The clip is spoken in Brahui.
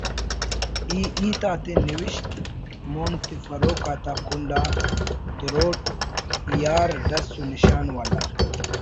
ای ہیت آتے نوشت مون تفروک آتا کنڈ آ دروٹ یار ڈس و نشان والا